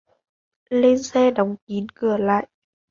Lên xe đóng kín cửa lại